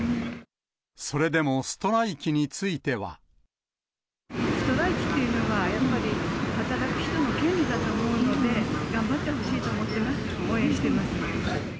それでもストライキについてストライキっていうのは、やっぱり働く人の権利だと思うので、頑張ってほしいと思ってます、応援してます。